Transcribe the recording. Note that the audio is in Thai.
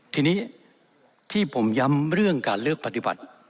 ทีนี้ที่ผมย้ำเรื่องการเลือกปฏิบัติ